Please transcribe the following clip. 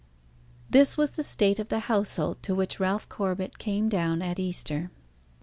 This was the state of the household to which Ralph Corbet came down at Easter.